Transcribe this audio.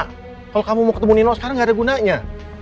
kalau kamu mau ketemu nino sekarang nggak ada gunanya